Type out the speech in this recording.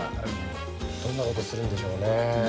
どんな事するんでしょうね。ね。